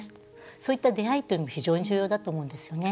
そういった出会いというのも非常に重要だと思うんですよね。